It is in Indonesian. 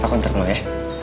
aku ntar mau ya